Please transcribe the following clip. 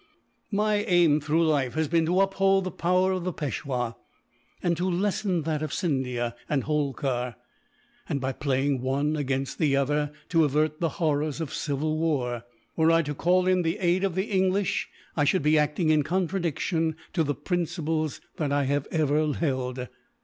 My aim, through life, has been to uphold the power of the Peishwa, and to lessen that of Scindia and Holkar and, by playing one against the other, to avert the horrors of civil war. Were I to call in the aid of the English, I should be acting in contradiction to the principles that I have ever held.